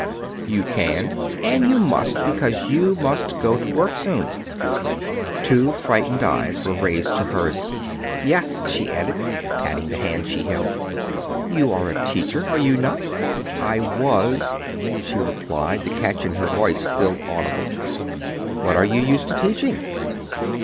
"You can and you must, because you must go to work soon." Two frightened eyes were raised to hers. "Yes," she added, patting the hand she held; "you are a teacher, are you not?" "I was," she replied, the catch in her voice still audible. "What are you used to teaching?"